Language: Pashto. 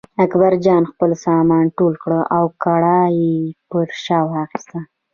اکبرجان خپل سامان ټول کړ او کړایی یې پر شا واخیست.